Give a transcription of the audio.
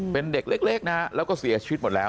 เป็นเด็กเล็กนะฮะแล้วก็เสียชีวิตหมดแล้ว